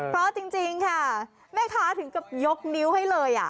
พร้อมจริงจริงค่ะแม่ค้าถึงกับยกนิ้วให้เลยอ่ะ